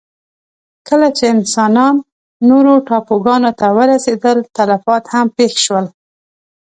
کله چې انسانان نورو ټاپوګانو ته ورسېدل، تلفات هم پېښ شول.